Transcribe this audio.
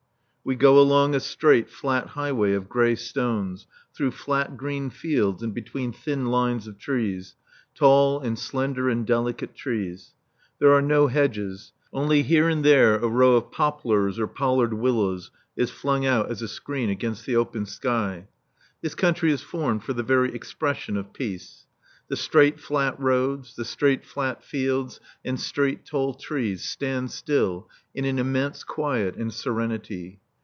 We go along a straight, flat highway of grey stones, through flat, green fields and between thin lines of trees tall and slender and delicate trees. There are no hedges. Only here and there a row of poplars or pollard willows is flung out as a screen against the open sky. This country is formed for the very expression of peace. The straight flat roads, the straight flat fields and straight tall trees stand still in an immense quiet and serenity.